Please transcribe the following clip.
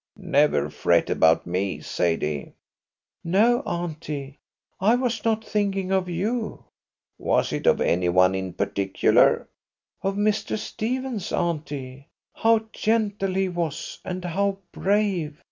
"Never fret about me, Sadie." "No, auntie, I was not thinking of you." "Was it of any one in particular?" "Of Mr. Stephens, auntie. How gentle he was, and how brave!